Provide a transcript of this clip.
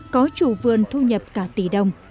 có chủ vườn thu nhập cả tỷ đồng